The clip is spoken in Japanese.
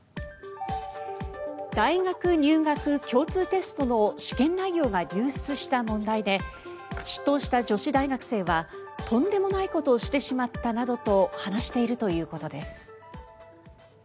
大学入学共通テストの試験内容が流出した問題で出頭した女子大学生はとんでもないことをしてしまったなどと話しているということです。